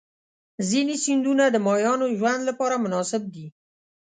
ځینې سیندونه د ماهیانو ژوند لپاره مناسب دي.